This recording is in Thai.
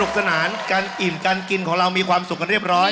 สนานกันอิ่มการกินของเรามีความสุขกันเรียบร้อย